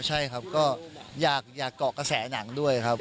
ใช่ครับก็อยากเกาะกระแสหนังด้วยครับ